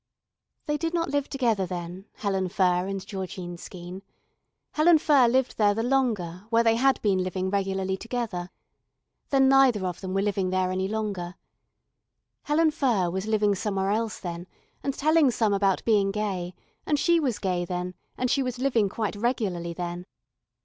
They did not live together then Helen Furr and Georgine Skeene. Helen Furr lived there the longer where they had been living regularly together. Then neither of them were living there any longer. Helen Furr was living somewhere else then and telling some about being gay and she was gay then and she was living quite regularly then.